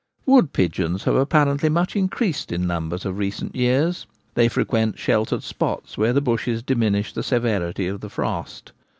Wood pigeons have apparently much increased in numbers of recent years ; they frequent sheltered spots where the bushes diminish the severity of the frost.